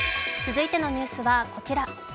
続いてのニュースはこちら。